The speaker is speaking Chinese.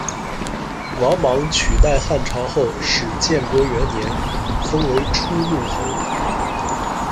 王莽取代汉朝后，始建国元年，封为初睦侯。